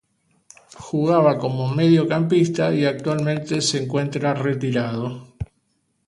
Jugaba como mediocampista y actualmente se encuentra retirado.